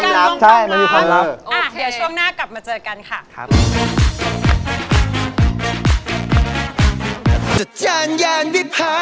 ล้วงความลับ